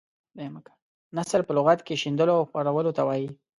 نثر په لغت کې شیندلو او خورولو ته وايي.